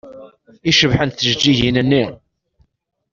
I cebḥent tjeǧǧigin-nni!